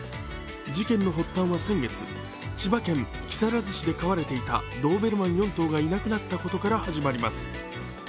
事件の発端は先月、千葉県木更津市で飼われていたドーベルマン４頭がいなくなったことから始まります。